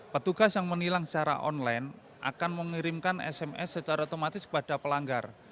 petugas yang menilang secara online akan mengirimkan sms secara otomatis kepada pelanggar